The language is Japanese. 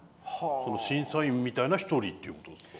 審査員みたいな一人っていうことですか？